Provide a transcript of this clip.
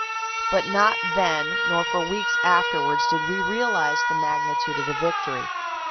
But not then nor for weeks afterward did we realize the magnitude of the victory.